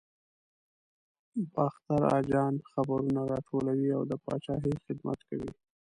باختر اجان خبرونه راټولوي او د پاچاهۍ خدمت کوي.